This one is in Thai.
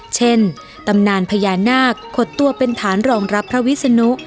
ตำนานพญานาคขดตัวเป็นฐานรองรับพระวิศนุ